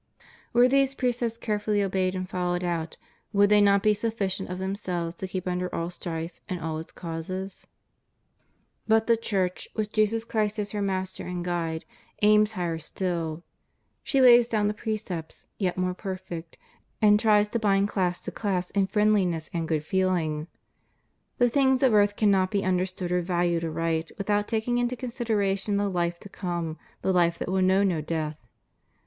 Were these precepts carefully obeyed and followed out, would they not be sufficient of themselves to keep under all strife and all its causes? But the Church, with Jesus Christ as her Master and Guide, aims higher still. She lays down precepts yet more perfect, and tries to bind class to class in friendliness and good feeling. The things of earth cannot be under stood or valued aright without taking into consideration the life to come, the life that will know no death.